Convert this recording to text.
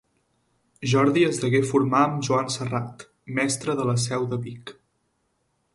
Jordi es degué formar amb Joan Serrat, mestre de la Seu de Vic.